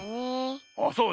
あっそう？